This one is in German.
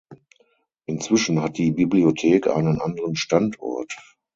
Inzwischen hat die Bibliothek einen anderen Standort.